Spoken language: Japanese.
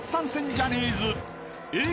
ジャニーズＡぇ！